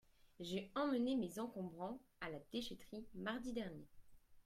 J'ai emmené mes encombrants à la déchèterie mardi dernier.